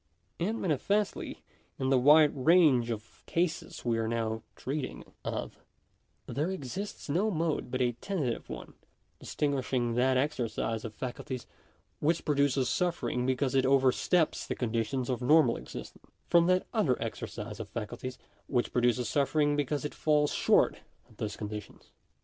And manifestly, in the wide range of cases we are now treating of, there exists no mode but a tentative one of dis tinguishing that exercise of faculties which produces suffering because it oversteps the conditions of normal existence, from that other exercise of faculties which produces suffering be cause it falls short of those conditions.